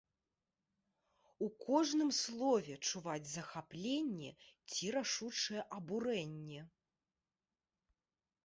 У кожным слове чуваць захапленне ці рашучае абурэнне.